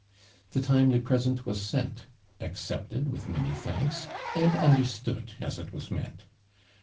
The timely present was sent, accepted with many thanks, and understood as it was meant.